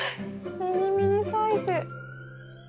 ミニミニサイズ。